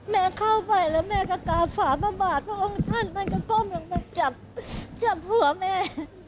เข้าไปแล้วแม่ก็กาฝาพระบาทพระองค์ท่านท่านก็ก้มลงไปจับจับหัวแม่